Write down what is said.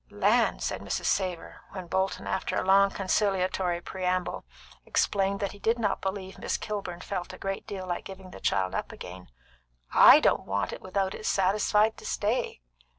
"Land!" said Mrs. Savor, when Bolton, after a long conciliatory preamble, explained that he did not believe Miss Kilburn felt a great deal like giving the child up again. "I don't want it without it's satisfied to stay.